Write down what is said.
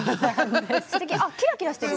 あっキラキラしてる。